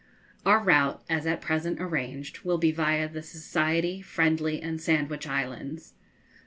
Our route, as at present, arranged, will be viâ the Society, Friendly, and Sandwich Islands.